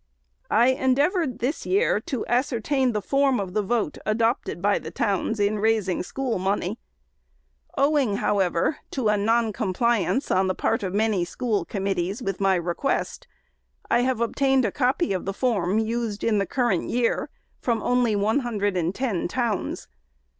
I endeavored this year to ascertain the form of the vote, adopted by the towns, in raising school money. Owing, however, to a non compliance on the part of many school committees with my request, I have obtained a copy of the form used the current year, from only one hundred and ten towns.